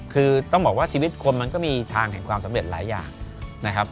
คือต้องบอกว่าชีวิตคนมันก็มีทางแห่งความสำเร็จหลายอย่างนะครับ